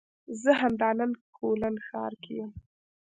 زه همدا نن کولن ښار کې یم